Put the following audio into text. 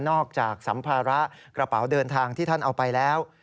จากสัมภาระกระเป๋าเดินทางที่ท่านเอาไปแล้ว